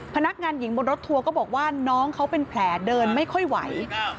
พนักงานหญิงบนรถทัวร์ก็บอกว่าน้องเขาเป็นแผลเดินไม่ค่อยไหว